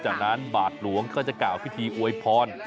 จากนั้นบาทหลวงก็จะกล่าวพิธีอวยพร